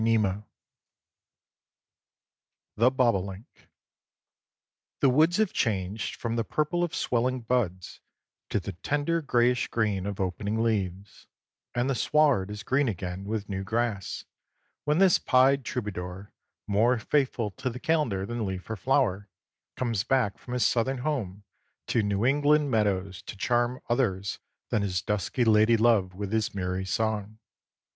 XIII THE BOBOLINK The woods have changed from the purple of swelling buds to the tender grayish green of opening leaves, and the sward is green again with new grass, when this pied troubadour, more faithful to the calendar than leaf or flower, comes back from his southern home to New England meadows to charm others than his dusky ladylove with his merry song.